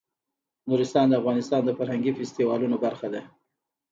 نورستان د افغانستان د فرهنګي فستیوالونو برخه ده.